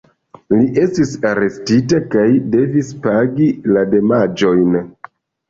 Li estis arestita kaj devis pagi la damaĝojn.